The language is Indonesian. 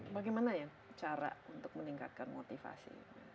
bagaimana ya cara untuk meningkatkan motivasi